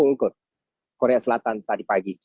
golput korea selatan tadi pagi